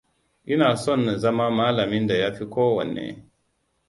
Ina son na zama malamin da ya fi ko wanne.